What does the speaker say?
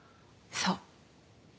そう。